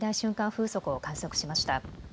風速を観測しました。